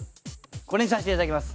これにさせて頂きます。